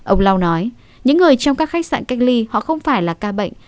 ông lau nói những người trong các khách sạn cách ly họ không phải là ca bệnh